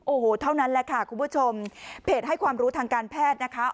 โอ้โหเท่านั้นแหละค่ะคุณผู้ชมเพจให้ความรู้ทางการแพทย์นะคะ